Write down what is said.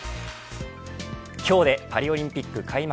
今日でパリオリンピック開幕